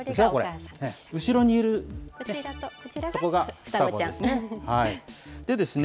後ろにいる、こちらが双子ですね。